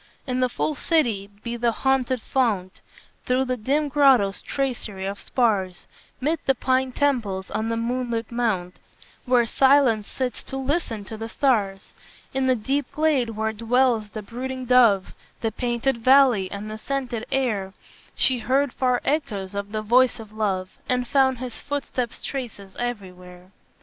"In the full city, by the haunted fount, Through the dim grotto's tracery of spars, 'Mid the pine temples, on the moonlit mount, Where silence sits to listen to the stars; In the deep glade where dwells the brooding dove, The painted valley, and the scented air, She heard far echoes of the voice of Love, And found his footsteps' traces everywhere.